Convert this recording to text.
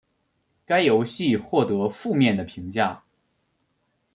该游戏获得负面的评价。